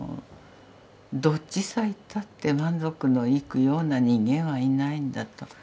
どっちさ行ったって満足のいくような人間はいないんだと。